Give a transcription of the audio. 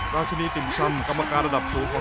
ราชินีติ่มชำกรรมการระดับสูง